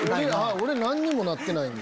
俺何にもなってないんで。